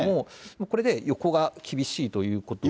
これで横が厳しいということで。